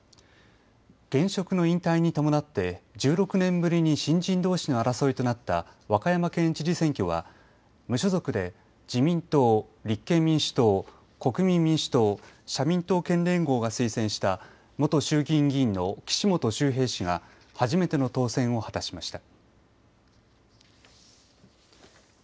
現職の引退に伴って１６年ぶりに新人どうしの争いとなった和歌山県知事選挙は無所属で自民党、立憲民主党国民民主党、社民党県連合が推薦した元衆議院議員の岸本周平氏が初めての当選を果たしました。